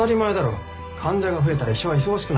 患者が増えたら医者は忙しくなるんだから。